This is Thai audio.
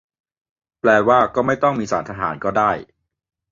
แปลว่าก็ไม่ต้องมีศาลทหารก็ได้ ?